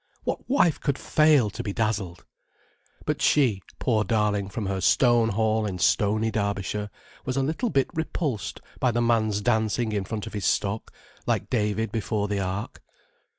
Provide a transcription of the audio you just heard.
What wife could fail to be dazzled! But she, poor darling, from her stone hall in stony Derbyshire, was a little bit repulsed by the man's dancing in front of his stock, like David before the ark.